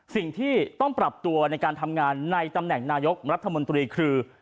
สิ่งที่ต้องปรับตัวในการทำงานในตำแหน่งนายกรัฐมนตรีคือ